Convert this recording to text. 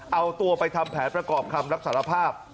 เอาตัวไปทำแผนประกอบคำรับสารภาพ